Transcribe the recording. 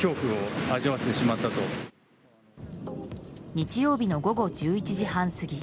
日曜日の午後１１時半過ぎ